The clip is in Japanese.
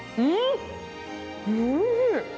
おいしい！